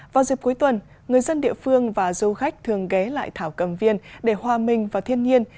vào dịp cuối tuần người dân địa phương và du khách thường ghé lại thảo cầm viên để hòa minh vào thiên nhiên